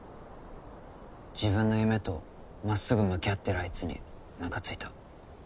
自分の夢とまっすぐ向き合ってるあいつにむかついた。